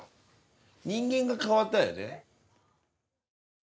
人間が変わったよね。